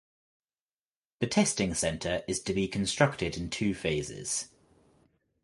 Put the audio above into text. The testing centre is to be constructed in two phases.